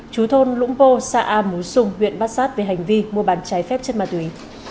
chú thôn lũng bô xã a mú sùng huyện bát sát về hành vi mua bàn cháy phép chất ma túy